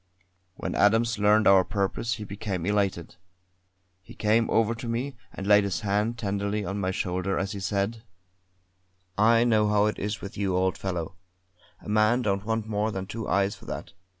When Adams learned our purpose he became elated. He came over to me and laid his hand tenderly on my shoulder as he said: "I know how it is with you, old fellow; a man don't want more than two eyes for that.